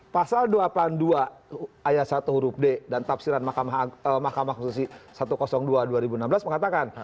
pasal dua ratus delapan puluh dua ayat satu huruf d dan tafsiran mahkamah konstitusi satu ratus dua dua ribu enam belas mengatakan